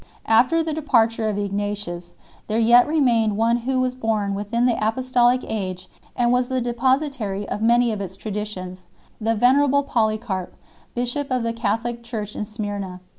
After the departure of Ignatius there yet re mained one who was born within the apostolic age and was the depositary of many of its traditions the venerable Polycarp, bishop of the Catholic Church in Smyrna.